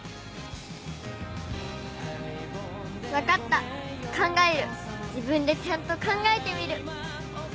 分かった考える自分でちゃんと考えてみる。